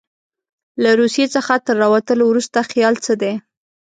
له روسیې څخه تر راوتلو وروسته خیال څه دی.